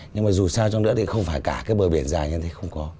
nhưng mà dù sao trong nữa thì không phải cả cái bờ biển dài như thế không có